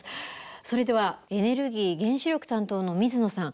それではエネルギー・原子力担当の水野さん。